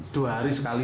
dua hari sekali